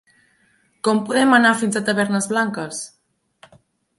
Com podem anar fins a Tavernes Blanques?